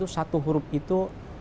satu huruf itu